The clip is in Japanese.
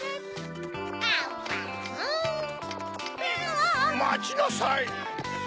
あぁ！まちなさい！